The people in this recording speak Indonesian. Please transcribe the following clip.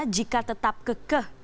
jika tetap kekeh